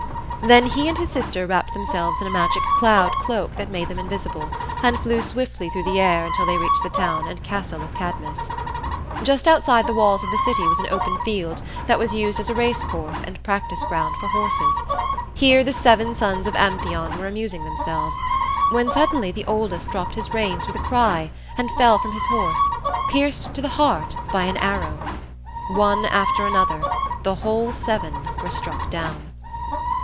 Then he and his sister wrapped themselves in a magic cloud cloak that made them invisible, and flew swiftly through the air until they reached the town and castle of Cadmus. Just outside the walls of the city was an open field that was used as a race course and practice ground for horses. Here the seven sons of Amphion were amusing themselves, when suddenly the oldest dropped his reins with a cry and fell from his horse, pierced to the heart by an arrow. One after another the whole seven were struck down.